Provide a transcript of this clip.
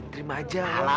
terima aja lah ya